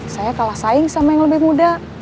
saya kalah saing sama yang lebih muda